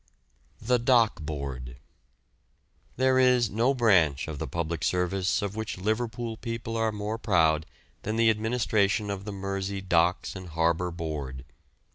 THE DOCK BOARD. There is no branch of the public service of which Liverpool people are more proud than the administration of the Mersey Docks and Harbour Board.